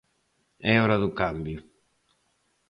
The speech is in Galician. É hora do cambio.